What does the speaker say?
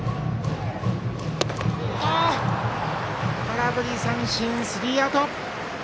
空振り三振、スリーアウト。